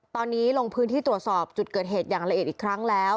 ตอนนี้ลงพื้นที่ตรวจสอบจุดเกิดเหตุอย่างละเอียดอีกครั้งแล้ว